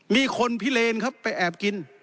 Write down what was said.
มีคนพิเลนครับไปแอบกิน